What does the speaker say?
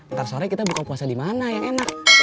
ntar sore kita buka puasa dimana yang enak